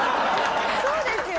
そうですよ！